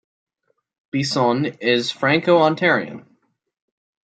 Bisson is Franco-Ontarian.